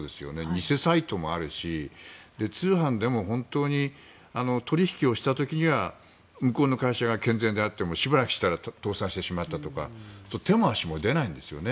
偽サイトもあるし通販でも本当に取引をした時には向こうの会社が健全であってもしばらくしたら倒産してしまったとか手も足も出ないんですよね。